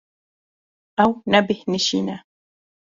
Ew nebêhnijî ne.